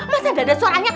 masa ada suaranya